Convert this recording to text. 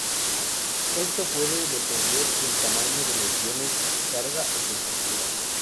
Esto puede depender del tamaño de los iones, su carga o su estructura.